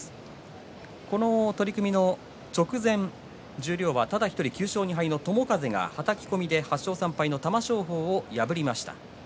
この取組の直前、十両ただ１人９勝２敗の友風がはたき込みで玉正鳳を破りました。